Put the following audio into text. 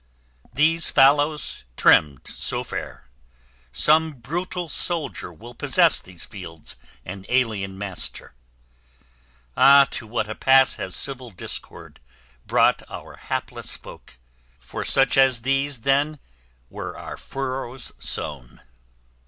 These fallows, trimmed so fair, Some brutal soldier will possess these fields An alien master. Ah! to what a pass Has civil discord brought our hapless folk! For such as these, then, were our furrows sown!